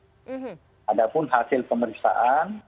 padahal hasil pemeriksaan